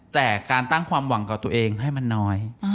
แต่การตั้งความหวังกับตัวเองให้มันน้อย